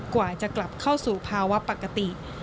กว่าจะกลับเข้าสู่ภาวะปกติ